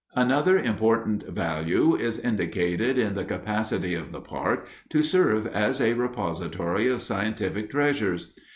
Another important value is indicated in the capacity of the park to serve as a repository of scientific treasures.